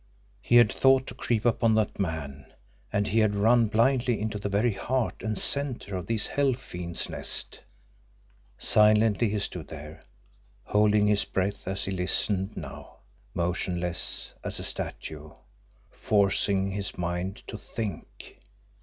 He had thought to creep upon that man and he had run blindly into the very heart and centre of these hell fiends' nest! Silently he stood there, holding his breath as he listened now, motionless as a statue, forcing his mind to THINK.